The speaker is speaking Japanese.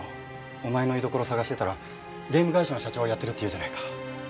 お前の居所探してたらゲーム会社の社長やってるっていうじゃないか。